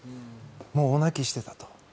もう大泣きしてたと。